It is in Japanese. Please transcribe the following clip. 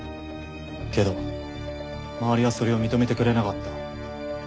けど周りはそれを認めてくれなかった。